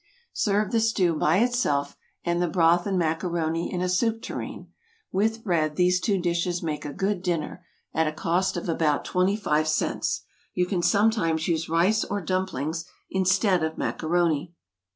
Serve the stew by itself, and the broth and macaroni in a soup tureen. With bread these two dishes make a good dinner, at a cost of about twenty five cents. You can sometimes use rice or dumplings instead of macaroni.